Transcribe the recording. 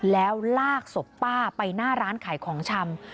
แล้วลากศพป้าไปหน้าร้านขายของชำ